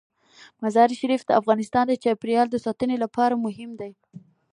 مزارشریف د افغانستان د چاپیریال ساتنې لپاره مهم دي.